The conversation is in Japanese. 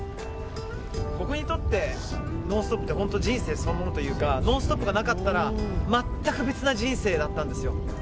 僕にとって「ノンストップ！」って人生そのものというか「ノンストップ！」がなかったら全く別な人生だったんですよ。